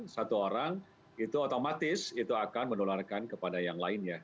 satu orang itu otomatis akan mendolarkan kepada yang lainnya